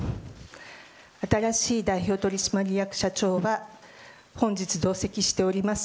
新しい代表取締役社長は本日同席しております